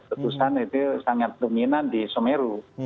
letusan itu sangat dominan di semeru